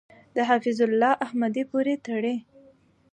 د حفیظ الله احمدی پورې تړي .